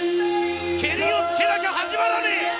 けりをつけなきゃ始まらねえ！